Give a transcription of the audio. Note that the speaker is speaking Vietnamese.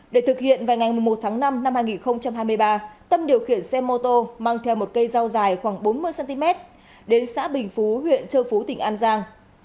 để thực hiện vào ngày một tháng năm năm hai nghìn hai mươi ba tâm điều khiển xe mô tô mang theo một cây dao dài khoảng bốn mươi cm đến xã bình phú huyện châu phú tỉnh an giang